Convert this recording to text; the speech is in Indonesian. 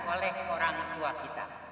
oleh orang tua kita